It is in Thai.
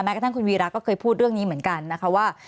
กระทั่งคุณวีระก็เคยพูดเรื่องนี้เหมือนกันนะคะว่า